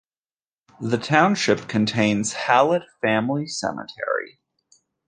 The township contains Hallet Family Cemetery.